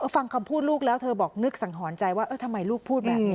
ฟังคำพูดลูกแล้วเธอบอกนึกสังหรณ์ใจว่าทำไมลูกพูดแบบนี้